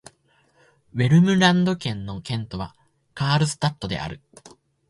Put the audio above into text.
ヴェルムランド県の県都はカールスタッドである